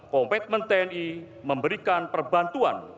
komitmen tni memberikan perbantuan